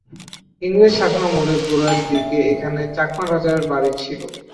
ইংরেজ শাসনামলের গোড়ার দিকে এখানে চাকমা রাজার বাড়ি ছিলো।